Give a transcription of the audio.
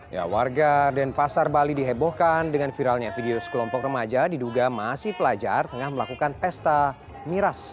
ya warga denpasar bali dihebohkan dengan viralnya video sekelompok remaja diduga masih pelajar tengah melakukan pesta miras